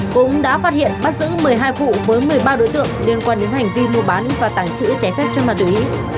cũng đã phát hiện bắt giữ một mươi hai vụ với một mươi ba đối tượng liên quan đến hành vi mua bán và tàng trữ trái phép chân ma túy